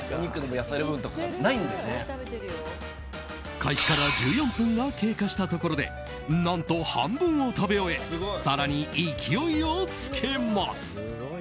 開始から１４分が経過したところで何と、半分を食べ終え更に勢いをつけます。